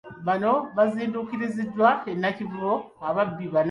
Bano baazinduukiriziddwa e Nakivubo ababbi bana.